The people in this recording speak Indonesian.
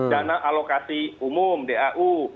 dana alokasi umum dau